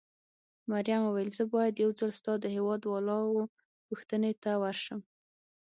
مريم وویل: زه باید یو ځل ستا د هېواد والاو پوښتنې ته ورشم.